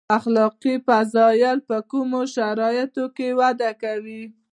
اخلاقي فضایل په کومو شرایطو کې وده کوي.